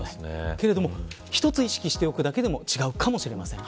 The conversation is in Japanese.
けれども一つ意識しておくだけでも違うかもしれません。